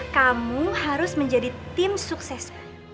kamu harus menjadi tim sukses